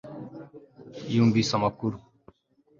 Yumvise amakuru